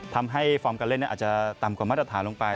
ฟอร์มการเล่นอาจจะต่ำกว่ามาตรฐานลงไป